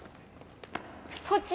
こっち！